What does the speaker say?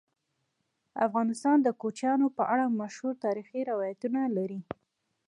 افغانستان د کوچیان په اړه مشهور تاریخی روایتونه لري.